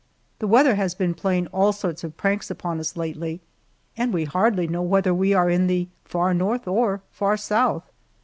The weather has been playing all sorts of pranks upon us lately, and we hardly know whether we are in the far North or far South.